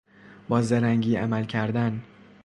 با زرنگی عمل کردن